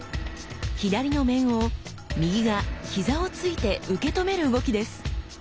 左の面を右が膝をついて受け止める動きです。